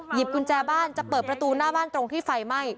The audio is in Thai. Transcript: กุญแจบ้านจะเปิดประตูหน้าบ้านตรงที่ไฟไหม้